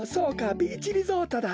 ビーチリゾートだった。